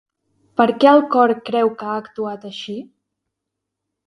Per què el cor creu que ha actuat així?